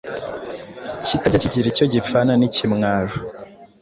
Kitajya kigira icyo gipfana n’ikimwaro